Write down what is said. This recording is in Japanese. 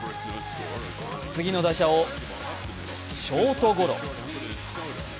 次の打者をショートゴロ。